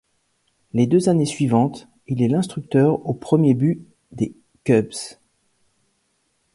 Les deux années suivantes, il est l'instructeur au premier but des Cubs.